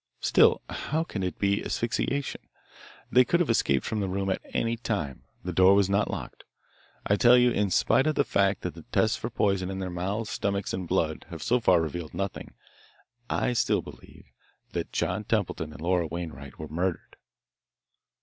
Still, how can it be asphyxiation? They could have escaped from the room at any time; the door was not locked. I tell you, in spite of the fact that the tests for poison in their mouths, stomachs, and blood have so far revealed nothing, I still believe that John Templeton and Laura Wainwright were murdered."